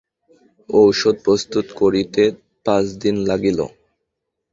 ঔষধ প্রস্তুত করিতে পাঁচদিন লাগিল।